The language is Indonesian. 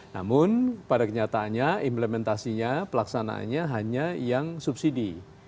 namun pada kenyataannya implementasinya pelaksanaannya hanya yang subsidi